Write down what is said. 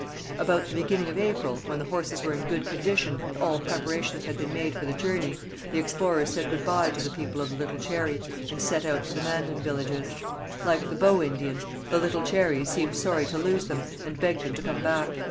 About the beginning of April, when the horses were in good condition and all preparations had been made for the journey, the explorers said good bye to the People of the Little Cherry and set out for the Mandan villages. Like the Bow Indians, the Little Cherries seemed sorry to lose them and begged them to come back.